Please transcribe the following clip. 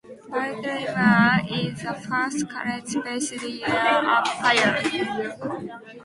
Baltimore's is the first college-based Year Up pilot.